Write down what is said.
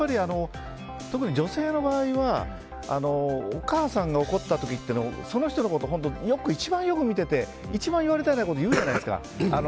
特に女性の場合はお母さんが怒った時ってその人のこと一番よく見ていて一番言われたくないことをずけっと言うじゃないですか。